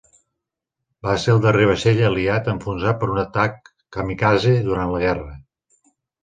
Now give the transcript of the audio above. Va ser el darrer vaixell aliat enfonsat per un atac kamikaze durant la guerra.